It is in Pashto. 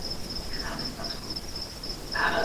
سرکار وايی لا اوسی خامخا په کرنتین کي